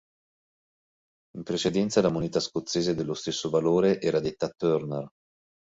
In precedenza la moneta scozzese dello stesso valore era detta turner.